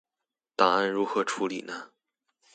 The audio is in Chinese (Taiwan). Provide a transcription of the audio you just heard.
檔案如何處理呢？